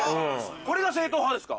これが正統派ですか？